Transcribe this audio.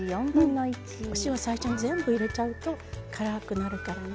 お塩最初に全部入れちゃうと辛くなるからね。